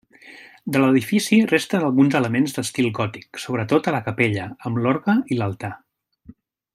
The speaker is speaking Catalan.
De l'edifici resten alguns elements d'estil gòtic, sobretot a la capella, amb l'orgue i l'altar.